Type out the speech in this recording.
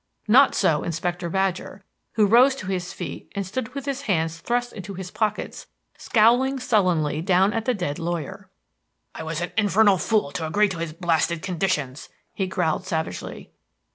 Not so Inspector Badger; who rose to his feet and stood with his hands thrust into his pockets scowling sullenly down at the dead lawyer. "I was an infernal fool to agree to his blasted conditions," he growled savagely.